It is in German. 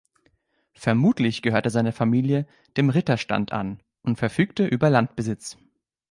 Vermutlich gehörte seine Familie dem Ritterstand an und verfügte über Landbesitz.